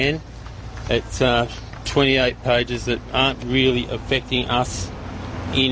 ini dua puluh delapan pagi yang tidak benar benar mengenai kita